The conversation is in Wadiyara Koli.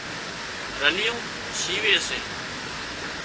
رليون شيوي سي